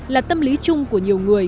là tâm lý chung của nhiều người